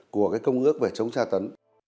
của công ước về chống tra tấn